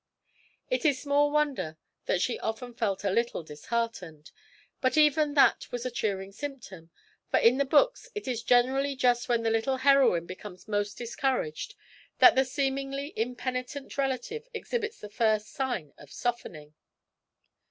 It is small wonder that she often felt a little disheartened, but even that was a cheering symptom, for in the books it is generally just when the little heroine becomes most discouraged that the seemingly impenitent relative exhibits the first sign of softening.